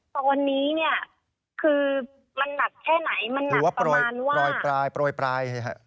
ตอนนี้เนี่ยคือมันหนักแค่ไหนมันหนักประมาณว่า